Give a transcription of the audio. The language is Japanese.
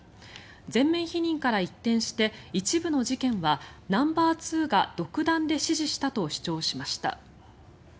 全面否認から一転して一部の事件はナンバーツーが独断で指示したと主張しました。